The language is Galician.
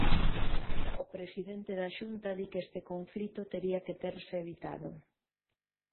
O presidente da Xunta di que este conflito tería que terse evitado.